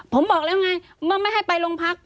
ผมบอกแล้วไงเมื่อไม่ให้ไปโรงพัก